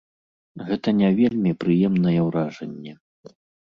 Гэта не вельмі прыемнае ўражанне.